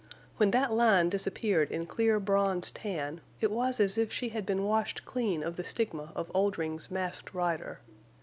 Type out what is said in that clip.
When that line disappeared in clear bronze tan it was as if she had been washed clean of the stigma of Oldring's Masked Rider.